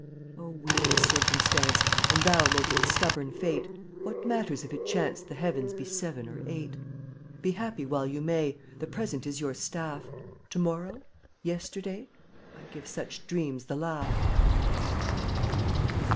wheel of circumstance, (J^tttAt* And thou, most stubborn Fate, 7^ What matters if it chance (JvC/ The heavens be seven or eight? ftUYkfr Be happy while you may, J The present is your staff. To morrow? Yesterday? 1 give such dreams the laugh.